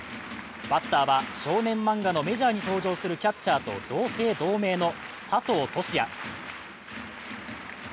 バッターは少年漫画の「ＭＡＪＯＲ」に登場するキャッチャーと同姓同名の佐藤都志也。